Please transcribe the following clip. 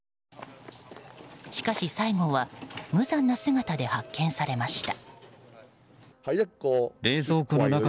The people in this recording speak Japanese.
しかし、最後は無残な姿で発見されました。